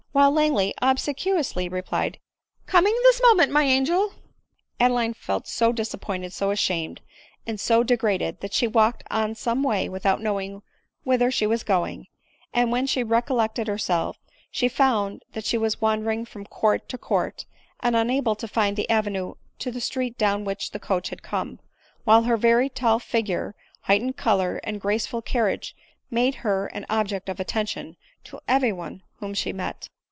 while Langley obsequiously replied, " Coming this moment, my angel !" Adeline felt so disappointed, so ashamed, and so de graded, that she walked on some way without knowing whither she was going ; and when she recollected her self, she found that she was wandering from court to court, and unable to find the avenue to the street down which the coach had come ; while her very tall figure, heightened color, and graceful carriage, made her an object of attention to every one whom she met.